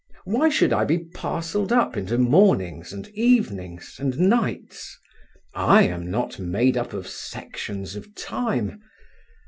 Why should I be parcelled up into mornings and evenings and nights? I am not made up of sections of time.